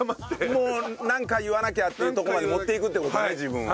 もうなんか言わなきゃっていうとこまで持っていくって事ね自分を。